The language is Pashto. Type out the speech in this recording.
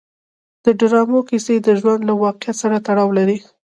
د ډرامو کیسې د ژوند له واقعیت سره تړاو لري.